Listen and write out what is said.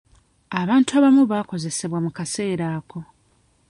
Abantu abamu baakosebwa mu kaseera ako .